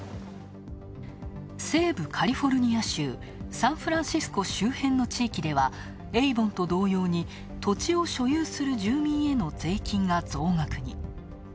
西部カリフォルニア州、サンフランシスコ周辺の地域ではエイボンと同様に土地を所有する住民への税金が増額に。